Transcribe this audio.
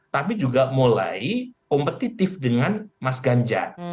tapi juga mulai kompetitif dengan mas ganjar